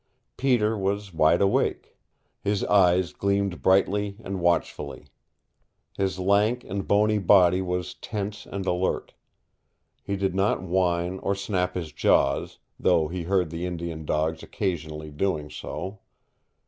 Peter was wide awake. His eyes gleamed brightly and watchfully. His lank and bony body was tense and alert. He did not whine or snap his jaws, though he heard the Indian dogs occasionally doing so.